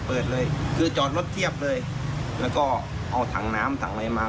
เปิดเลยคือจอดรถเทียบเลยแล้วก็เอาถังน้ำถังอะไรมา